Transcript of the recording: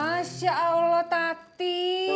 masya allah tati